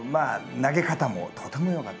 投げ方もとても良かった。